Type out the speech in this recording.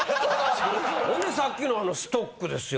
ほんでさっきのストックですよ。